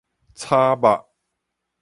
炒肉